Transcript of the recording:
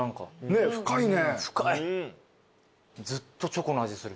ねえ深いね。